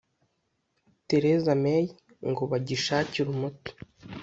Theresa May ngo bagishakire umuti